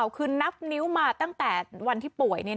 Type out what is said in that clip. คือนับนิ้วมาตั้งแต่วันที่ป่วย